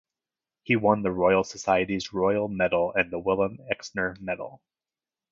He won the Royal Society's Royal Medal and the Wilhelm Exner Medal.